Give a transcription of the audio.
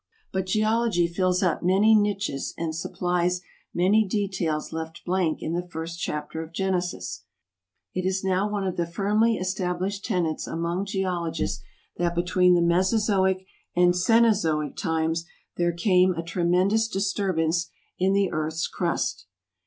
But Geology fills up many niches and supplies many details left blank in the first chapter of Genesis. It is now one of the firmly established tenets among geologists that between the Mesozoic and Cenozoic times there came a tremendous disturbance in the earth's crust.